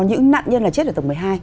những nạn nhân là chết ở tầng một mươi hai